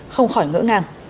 không khỏi ngỡ ngàng